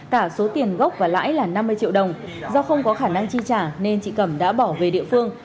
cả số tiền gốc và lãi là năm mươi triệu đồng do không có khả năng chi trả nên chị cẩm đã bỏ về địa phương